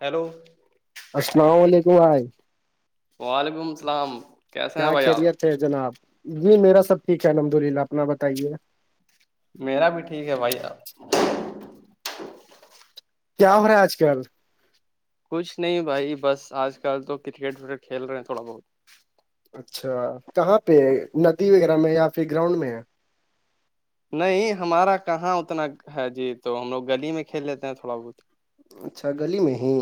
hello السلام علیکم بھائی وعلیکم السلام کیسے کیا ہیں بھائی آپ خریت ہے جناب جی میرا سب ٹھیک ہے الحمد للہ اپنا بتائیے میرا بھی ٹھیک ہے بھائی آپ کیا ہو رہا ہے آج کل کچھ نہیں بھائی بس آج کل تو کرکٹ وکٹ کھیل رہے ہیں تھوڑا بہت اچھا کہاں پہ ندی وغیرہ میں یا پھر گراؤنڈ میں ہے نہیں ہمارا کہاں اتنا ہے جی تو ہم لوگ گلی میں کھیل لیتے ہیں تھوڑا بہت اچھا گلی میں ہی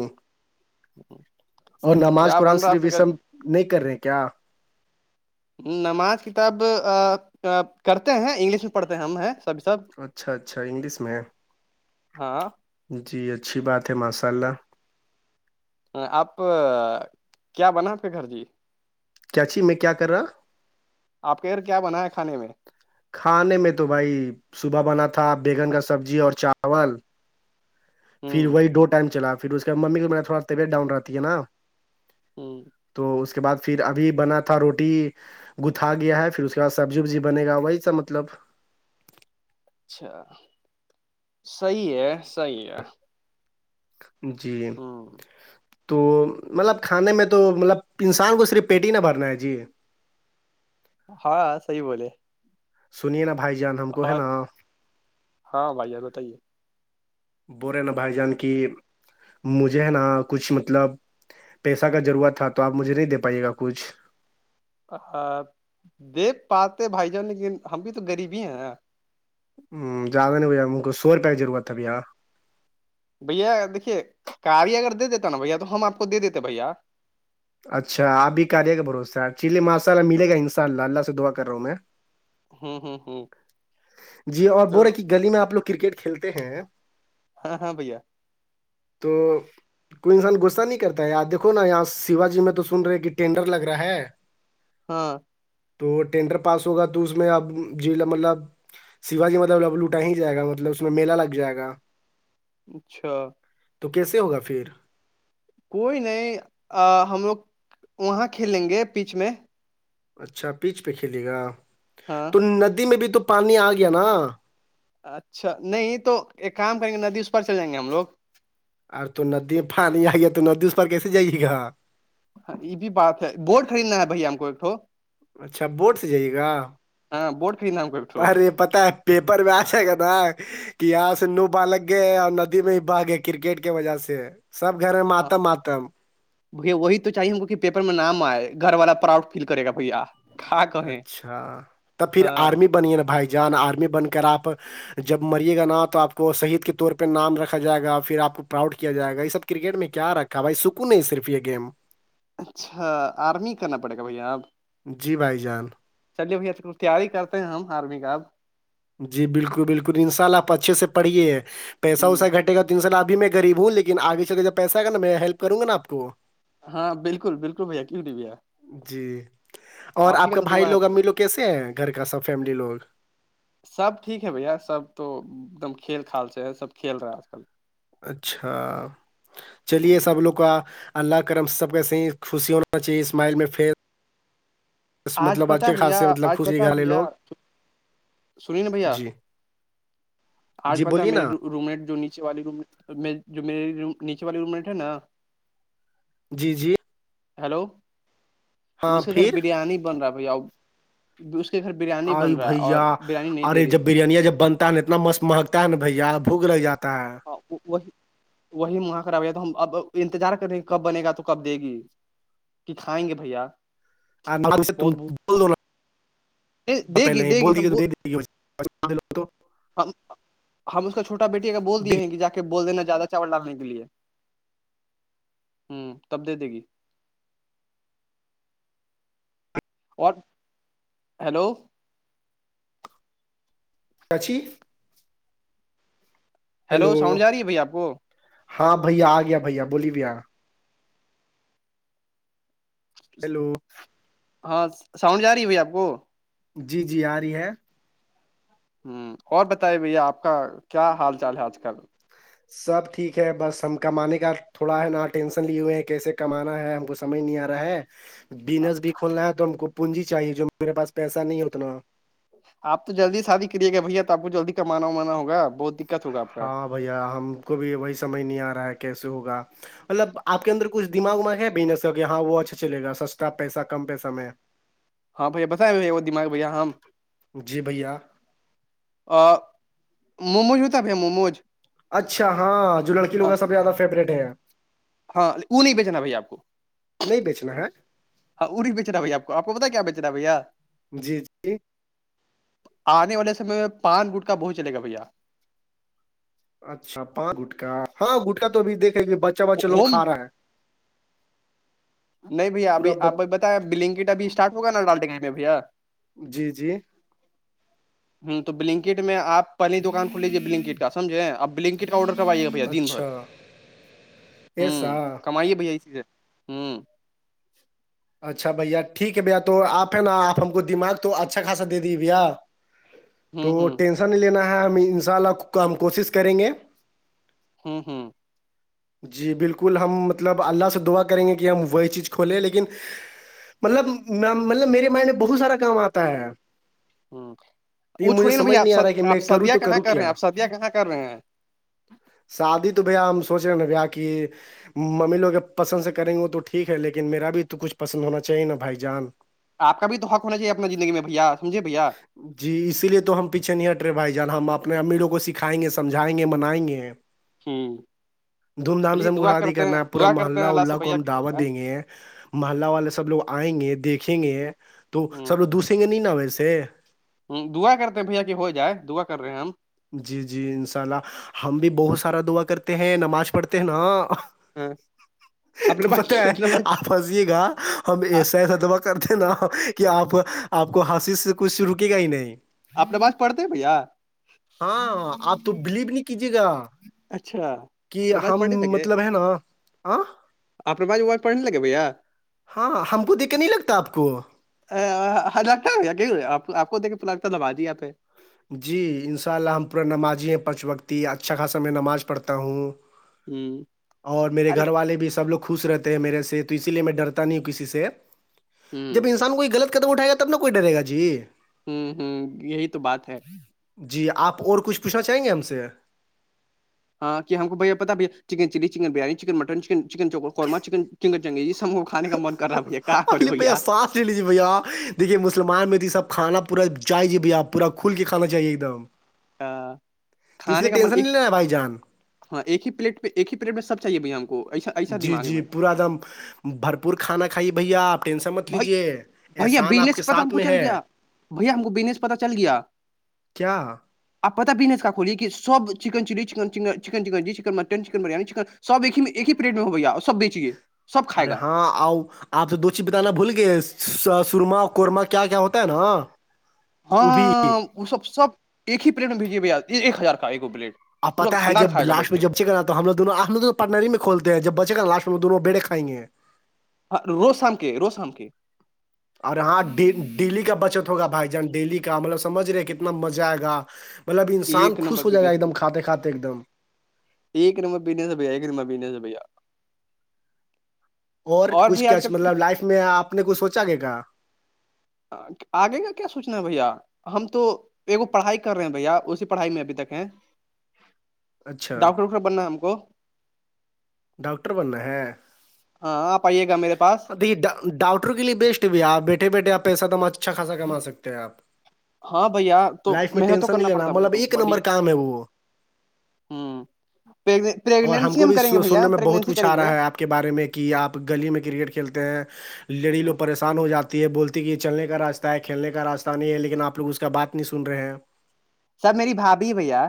اور نماز کیا قرآن بن رہا ہے آپ صرف کے وی گھر سم جی نہیں کر رہے کیا نماز کتاب کرتے ہیں انگلش میں پڑھتے ہیں ہم ہیں سبھی سب اچھا اچھا انگلش میں ہے ہاں جی اچھی بات ہے ماشاء اللہ آپ کیا بنا آپ کے گھر جی کیاچھی میں کیا کر رہا آپ کے گھر کیا بنا ہے کھانے میں کھانے میں تو بھائی صبح بنا تھا بیگن کا سبزی اور چاول پھر ہوں وہی دو ٹائم چلا پھر اس کے بع ممی کے تھوڑا طبعت ڈاؤن رہتی ہے نا ہ تو اس کے کے بعد پھر ابھی بنا تھا روٹی گھا گیا ہے پھر اس کے بعد سبزی وبزی بنے گا وہی اس کا مطلب اچھا صحیح ہے صحیح ہے جی ہ تو مطلب کھانے میں تو مطلب انسان کو صرف پیٹ ہی نہ بھرنا ہے جی ہاں صحیح بولے سنیا بھائی جان ہم کو ہے اور نا ہاں بھائی ار بتائیے بورے ن بھائی جان کی مجھے ہے نا کچھ مطلب پیسہ کا ضرورت تھا تو آپ مجھے نہیں دے پائیے گا کچھ دیکھ پاتے بھائی جان لیکن ہم بھی تو غریب ہی ہیں ہوں زیادہ نہیں بھیا م کو سو روپ کی ضرورت تھا بھیا بھیا دیکھیے کاری اگر دے دیتا نا بھیا تو ہم آپ کو دے دیتے بھیا اچھا آپ بھی کریے گ بھروسہ چللی مسالہ ملے گا انشاء اللہ اللہ سے دعا کر رہا ہوں میں ہوں ہوں ہوں جی اور تو بول رہے کہ گلی میں آپ لوگ کرکٹ کھیلتے ہیں ہاں ہاں بھیا تو کوئی انسان غصہ نہیں کرتا ہے یاار دیکو نا اں شیوجی میں تو سن رہے کہ ٹینڈر لگ رہا ہے ہاں تو ٹینڈر پاس ہوگا تو اس میں اب جی مطلب شیو جی مطلب لب لوٹا ہی جائے گا مطلب اس میں میلہ لگ جائے گا اچھا تو کیسے ہوگا پھر کوئی نہیں ہم لوگ وہاں کھیلیں گے پیچ میں اچھا پیچ پہ کھیلے گا ہاں تو ندی میں بھی تو پانی آ گیا نا اچھا نہیں تو ایک کام کریں گے ندی اس پر چل جائیں گے ہم لوگ ر تو ندی پھانی آئی ہے تو ندی اس پر کیسے جائیے گا ہاں یہ بھی بات ہے بورٹ خریدنا ہے بھائی ہم کو ایکٹ اچھا بورٹ سے جائیے گا ہاں بورڈ خریدنا ہے ہم کو ایکٹھو پررے پتہ ہے پیپر میں آس ہے گ نا کہ یہاں سے نو بالگ گئے اور ندی میں ہی بھا گئے کرکٹ کی وجہ سے سب گھر متم آتم بھیا وہی تو چاہیے کی کہ پیپر میں نام آئے گھر والا پراؤڈ فیل کرے گا بھیا کیا کہیں اچھا تب پھر آرمی بنیے نا بھائی جان آرمی بن کر آپ جب مریے گا نا تو آپ کو شہید کے طور پہ نام رکھا جائے گا پھر آپ کو پراؤڈ کیا جائے گا یہ سب کرکٹ میں کیا رکھا بھائی سکوں نہیں صرف یہ گیم اچھا آرمی کرنا پڑے گا بھیا آپ جی بھائی جان چلیے بھیا تیاری کرتے ہیں ہم آرمی کا اب جی بالکل بالکل ان شاء اللہ آپ اچھے سے پڑھیے ہ پیسا ویسا گٹے گا تو ت سالبھی میں گریب ہوں لیکنگے چل جبیسا نا میں ہیلپ کروں گا آپ کو ہاں بالکل بالکل بھیا کیوںٹ بھیا جی اور حافی آپ کا تو بھائی دعا ہے لوگ بھیا امی لوگ کیسے ہیں گھر کا سب فیملی لوگ سب ٹھیک ہے بھیا سب تو ایک دم کھیل خل سے ہے سب کھیل رہا ہے آج کل اچھا چلیے سب لوگ کا اللہ کرم سب کی صح خوشی ہونا چاہیے اسمائل میں فیس بس آج مطلب پتا اچھے بھیا خاصے مطلب آج خوشی پتا گھر والے بھیا لوگ سنی نا بھیا جی آج جی پتتا بولیے میرے ڈ نا روم میٹ جو نیچے والی روم میٹ ہے نا جی جی ہیلو ہاں اس کے گھر پھر بریانی بن رہا ہے بھائی ا اس کے گھر بریانی بن رہا ہے اور بریانی نہیں اور دے یہ رہی جب بھیا بریانیاں جب بنتا ہے نا اتنا مست مہگتا ہے نا بھ ار بھوک لگ جاتا ہے وہی وہی مہک رہا ہے تو ہم اب انتظار کر رہیںے ہیں کب بنے گا تو کب دے گی کہ کھائیں گے بھیا ت بہت بول دو بھوک دے گی پہلے یہ دے بول گی دی ہم کہ د ہم ہم اس کا چوا بیٹی اگر بول دیے ہیںے جا کے بول دینا زیادہ چاول ڈال لیں کے لیے ہ تب دے دے گی اور ہیلو پچ ہیلو اواز جا رہی ہے بھائی آپ کو ہاں بھیا آ گیا بھیا بولی بھییا ہیلو ہاں ساؤنڈ جا رہی بھ آپ کو جی جی آ رہی ہے ہوں اور بتائیے بھیا آپ کا کیا حال چال ہے آج کل سب ٹھیک ہے بس ہم کمانے کا تھوڑا ہے نا ٹینشن لیے ہوئے ہیں کیسے کمانا ہے ہم کو سمج نہیں آ رہا ہے بزنس بھی کھولنا ہے تو ہم کو پونجی چاہیے جو میرے پاس پیسہ نہیں اتنا آپ تو جلدی شادی کری گا بھیا تو آپ کو جلدی کمانا وانا ہوگ بہت دقت ہوگا آ کو ہاں بھیا ہم کو بھی وہی سمجھ نہیں آ رہا ہے کیسے ہوگا مطلب آپ کے اندر کھ دماغ وماغ ہے بجنس کا کہ ہاں وہ اچھا چلےا سستا پیسہ کم پیسہ میں ہاں بھیا بتاائی دماغ بھیا ہمم جی بھیا مووموج ہوتا بھی مووموج اچھا ہاں جو لڑکی لوگ ہیں سب زیادہ فیوریٹ ہے ہاں ا نہیں بیچناا بھائی آپ کو نہیں بیچنا ہے ہاں اوری بیچ رہا بھیا آپ آپ کو پتا کیا بیچ رہا بھیا جی جی آنے والے سمے میں پان گٹ کا بہت چلے گا بھیا اچھا پانچ گٹا ہاں گٹکا تو بھی دیکھے گ بچہ بچے لوگ ہوم کا رہے ہیں نہیں بھیا ابھی پورا ب آپ بتایا بلنکٹ اب اسٹارٹ ہوگا نا ڈال گ میں بھیا جی جی ہوں تو بلنکٹ میں آپ پہلی دکان کھلیجیے بلنکٹ کامجھے آپ بلنکٹ کا آڈر کروائیے گ بھیا دن بھر اچھا ایسا ہوں کمائیے بھیا یہ چیز ہے ہوں اچھا بھیا ٹھیک ہے بھیا تو آپ نا آپ ہم کو دماغ تو اچھا خاصا دے دیے بھیا ج [unintelligible] تو ٹینشن نہیں لینا ہے ہم ان شاء اللہ ہم کوشش کریں گے ہوں ہوں جی بالکل ہم مطلب اللہ سے دعا کریں گے کہ ہم وہی چیز کھولیں لیکن مطلب مطلب میرے مائنڈ میں بہت سارا کام آتا ہے ہ وہ لیکن مجھے چھوڑیے نا سمجھ بھیا نہیں آ آپد رہا ہے کہ آپ میں کروں سدیا تو کہاں کروں کر رہے ہیں کیا آپ سدیا کہاں کر رہے ہیں ا [unintelligible] شادی تو بھیا ہم سوچ رہے ہیں نا بیا کہ ممی لوگ پسند سے کریں گے وہ تو ٹھیک ہے لیکن میرا بھی تو کچھ پسند ہونا چاہیے نا بھائی جان آ کا بھی تو حق ہو چیے اپنا زندگی میں بھیا سمجھے بھیا جی اسی لیے تو ہم پیچھے نہیں ہٹ رہے بھائی جان ہم اپنے امیروں کو سکھائیں گے سمجھائیں گے منائیں گے ہوں دھوم دھام سے ہم کو شادی کرنا ہے پورا دعا کرتے محلہ ہیں سے اللہ کو بھیا ہم کی ہو دعوت دیں جائے گے محلہ والے سب لوگ آئیں گے دیکھیں گے تو سب لوگ دوسیں گے نہیں نا ویسے ہ دعا کرتے ہیں بھیا کہ ہو جائے دعا کر رہے ہیں ہم جی جی انشاء اللہ ہم بھی بہت سارا دعا کرتے ہیں نماز پڑھتے ہیں نا ہاں اپنے تو پت پاس مطلب ہےپ پھنسیے گا ہم ایسا ایسا دبا کرتے نا کہ آپ آپ کو ہسیس کچھ رکے گا ہی نہیں اپنے پاس پڑتے ہیں بھیا ہاں آپ تو بلیو نہیں کیجیے گا اچھا کہ اپنے پاس ہم پڑھنے مطلب ہے نا آ اپپنےواز ووازڑھنے لگے ا ہاں ہم کو دیکھ کے نہیں لگتا آپ کو ہگتا ہے آ آپ کو دیکے پ لگتا دبادیا پہ جی ان شاء اللہ ہم پورا نمازی ہیں پانچ وقتی اچھا خاصا میں نماز پڑھتا ہوں ہوں اور میرے ارے گھر والے بھی سب لوگ خوش رہتے ہیں میرے سے تو اسی لیے میں ڈرتا نہیں ہوں کسی سے جب ہوں انسان کوئی غلط قدم اٹائے گا تب نہ کوئی ڈرےا جی ہوں ہوں یہی تو بات ہے جی آپ اور کچھ پوچھنا چاہیں گے ہم سے ہاں کہ ہم کو بھیا پتا بیا chicken chilli chicken biryani chicken mutton چن چکن قورما چکن چکن ج سب کھے کا من کر رہا بھیا کا کری علی بھیا سانس لیجیے بھیا دیکھیے مسلمان میں تو سب کھانا پورا چاہیے بھیا پورا کھل کے کھانا چاہیے ایک دم آ، تو اس کھانے لیے کا من ٹینشن ایک نہیں لینا بھائی جان ہاں ایک ہی پلیٹ پہ ایک ہی پلیٹ میں سب چاہے بھیا ہم کو ایسا ایسا جی دماغ ہے جی میرا پورا ایک دم بھرپور کھانا کھائیے بھیا آپ ٹینسا مت بھائی لیجے بھیا احسان آپ کے بزنس پتا ہم ساتھ کو میں چل ہے گیا بھیا ہم کو بینس پتا چل گیا کیا آپ پتا بزنس کا کھلیے کہ سب چکن چلی چن چن چن چن مٹ چکن بریانی چکن سب ایک ہی ایک ہی پلیٹ میں ہوئییا اور سب بیچیے سب کھائے ارے گا ہاں آؤ آپ سے دو چیز بتانا بھول گئے سورما اور قورمہ کیا کیا ہوتا ہے نا وہ بھی ہاں وہ سب سب ایک ہی پلیٹ میں بھیجیے بھ ایک ہزار کا ایک پلیٹ اب پورا پتا ہے خاندان جب کھائے گا لاسٹ بیٹھ میں کے جب چ کراتا تو ہم لو دون آ ل پٹنری میں کولتے ہیں جب بچے گاٹ میں دونوں بیڑے کائیں گے ہ روز سام کے روس ہم کے اور ہاں ڈیلی کا بچت ہوگا بھائی جان ڈیلی کا کا مطلب سمجھ رہے کتنا مزہ آئے گا مطلب انسان ایک خوش نمبر ہو جائے گا بزنس ایک ہے دم بھیا کھاتے کھاتے ایک دم ایک نمبر پنےس ہےھیا ایک نمر پیننے ہے بھیا اور کچھ بھی کیا آج کل مطلب لائف میں آپ نے کچھ سوچا کہ کہا آگے کا کیا سوچنا ہے بھیا ہم تو ایکو پڑھائی کر رہے ہیں بھیا اسی پڑھائی میں ابھی تک ہے اچھا ڈاکٹر اخر بننا ہے ہم کو ڈاکٹر بننا ہے ہاں آپ آئیے گا میرے پاس ہاں دیکھیے ڈاکٹر کے لیے بیسٹ بھی ہےپ بیٹھے بیٹھے آپ پیسہ توم اچھا خا کما سکتے ہیں آپ ہاں بھیا تو لائف میں محنت تو ٹینشن نہیں کرنا لینا پڑتا ہے بھیا مطلب کو ایک بڑی نمبر کام ہے وہ ہوں اور ہم پریگنینسی کو بھی کریں گے بھیا سننے میں بہت پریگنینسی کچھ آ کریں گے رہا ہے آپ کو کے بارے میں کہ آپ گلی میں کرکٹ کھیلتے ہیں لڑی ہوں لوگ پریشان ہو جاتی ہے بولتی کہ چلنے کا راستہ ہے کھیلنے کا راستہ نہیں ہے لیکن آپ لگ اس کا بات نی سن رہے ہیں سب میری بھابھی بھیا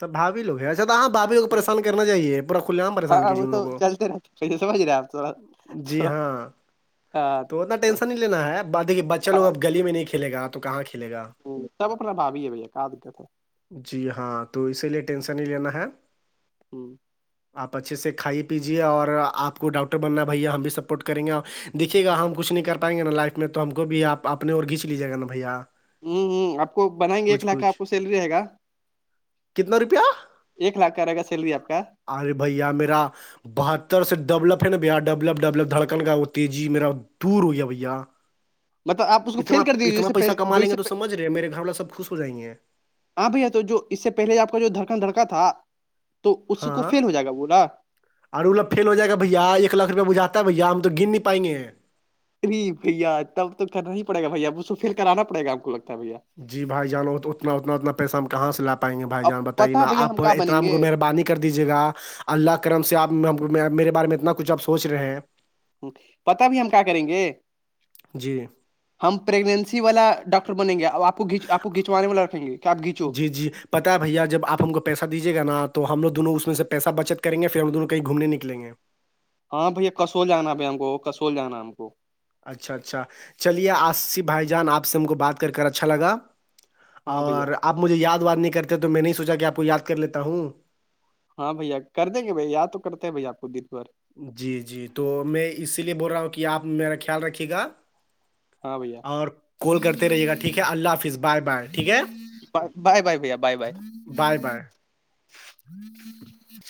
سبھوھیو ہیں اچھا ہاں بھاھیو پریش کرنا چاہیے پور کھلے پریش کیجیے انوگ کو سی سور جلا [unintelligible] جی ہاں تو اتنا ٹینشن نہیں لینا ہے ب دیکھیے بچے لوگ اب گلی میں نہیں کھیل گا تو کہاں کھیلے گا ہ تب اپنا باابی ہے بھیا کہ د گا تو جی ہاں تو اسی لیے ٹینشن نہیں لینا ہے ہ آپ اچھے سے کھائی پیجیے اور آپ آ کو ڈاکٹر بننا ہے بھیا ہم بھی سپورٹ کریں گے دیکے گا ہم کچھ نہیں کر پائیں گے نا لائف میں تو ہم کو بھی آپ آپنے اور کھیچ لیجیے گا بھیا ہوں ہ آپ کو بنائیں گے ایک کچھ لاکھ کا کچھ آپ کو سیلری رہےا کتنا روپیہ ایک لاکھ کا رہے گا سیلری آپ کا ارے بھیا میرا بہتر سے ڈلپ ہے نا بھیا ڈیلپ ڈلپ دھڑکن کا وہ تیزی میرا دور ہو گیا بھیا [inaudible] آپ اس کو اتنا فیل کر دیجیے جس اتنا سے پیسہ کما جو لیں اس گے سے تو سمجھ رہے ہیں میرے گھر والا سب خوش ہو جائیں گے ہاں بھیا تو جو اس سے پہلے آپ کا جو دھڑکن دھڑکا تھا تو اس کو فیل ہو جائے گا بولا اورر اوب فیل ہو جائے گا بھیا ایک لھوپ بجاتا ہے بھیا ہم تو گن نہیں پائیںے ار بھیا تب تو کرنا پڑ گا بھیا اسھ کو پھر کرانا پڑےا آ ہم کو لگتا ہے بھیا جی بھائی جان اتنا اتنا اتنا پیسہ ہم کہاں سے لا پائیں گے بھائی اب جان پتا بتائیےا بھیا ہم آپ کیا بنیں اتنا گے مہربانی کر دیجیے گا اللہ کرم سے آپ میرے بارے میں اتنا کچھ آپ سوچ رہے ہیں پتا بھی ہم کیا کریں گے جی ہم پیگنسی والا ڈاکٹر بنیں گے ا آپ کوچ آپ کو کھچوے والا رکھیں گے کہ آپ کھینچو جی جی پتا ہے بھیا جب آپ ہم کو پیسہ دیجیے گا تو ہم لو دونوں اس میں سے پیسہ بچت کریں گے پھر ہم دونوں کہیں گھوم نکیں گے ہاں بھیا کسول جانا ب ہم کو کصول جانا ہم کو اچھا اچھا چلیے آصف بھائی جان آپ سے ہم کو بات کر کر اچھا لگا ہاں بھیا اور آپ مجھے یاد وار نہیں کرتے تو میں نہیں سوچا کہ آپ کو یاد کر لیتا ہوں ہاں بھیا کر دیں گے بھائی یاد تو کرتے ہیں بھائی آپ کو دیر بھر جی جی تو میں اسی لیے بول رہا ہوں کہ آپ میرا خیال رکھیے گا ہاں بھیا اور کال کرتے رہیے گا ٹھیک ہے اللہ حافظ بائے بائے ٹھیک ہے ب بائے بائے بھیا بائے بائے بائے بائے ہوں [unintelligible]